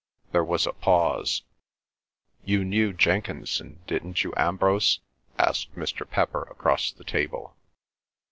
There was a pause. "You knew Jenkinson, didn't you, Ambrose?" asked Mr. Pepper across the table.